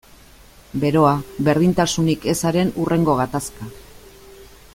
Beroa, berdintasunik ezaren hurrengo gatazka.